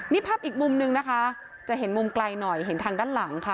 นี่ภาพอีกมุมนึงนะคะจะเห็นมุมไกลหน่อยเห็นทางด้านหลังค่ะ